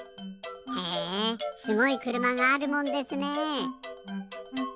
へえすごいくるまがあるもんですね。